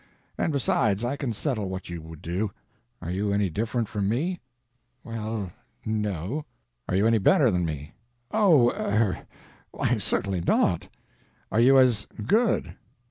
And besides, I can settle what you would do. Are you any different from me?" "Well—no." "Are you any better than me?" "O,—er—why, certainly not." "Are you as _good?